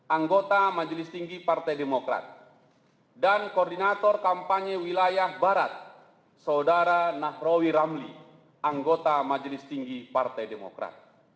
anggota majelis tinggi partai demokrat dan koordinator kampanye wilayah barat saudara nahrawi ramli anggota majelis tinggi partai demokrat